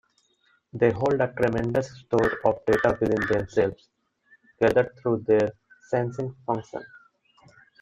They hold a tremendous store of data within themselves, gathered through their Sensing function.